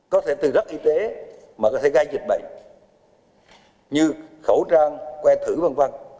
có thể từ rất y tế mà có thể gây dịch bệnh như khẩu trang que thử văn văn